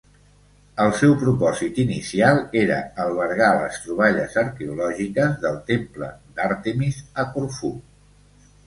El seu propòsit inicial era albergar les troballes arqueològiques del Temple d'Àrtemis a Corfú.